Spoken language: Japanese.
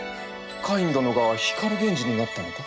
カイン殿が光源氏になったのか？